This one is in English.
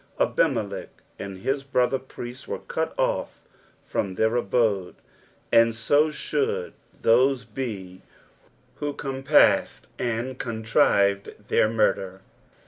Ahinielech and his brother priests were cut off from their aliode, and so should those be who compassed and contrived their murder.